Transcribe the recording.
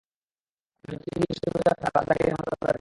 কারণ তিনি দিবসে রোযা রাখতেন আর রাতে দাঁড়িয়ে দাঁড়িয়ে নামায আদায় করতেন।